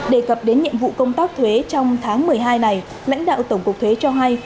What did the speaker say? đề cập đến nhiệm vụ công tác thuế trong tháng một mươi hai này lãnh đạo tổng cục thuế cho hay